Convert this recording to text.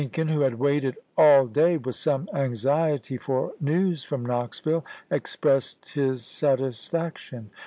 Liiicoln, who had waited all day with some anxiety for news from Knoxville, expressed his satisfaction.